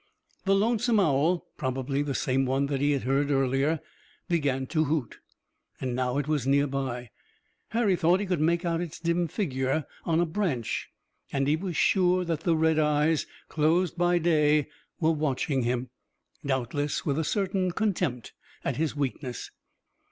The lonesome owl, probably the same one that he had heard earlier, began to hoot, and now it was near by. Harry thought he could make out its dim figure on a branch and he was sure that the red eyes, closed by day, were watching him, doubtless with a certain contempt at his weakness.